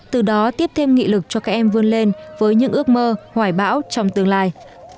từ đó tiếp thêm nghị lực cho các em vươn lên với những ước mơ hoài bão trong tương lai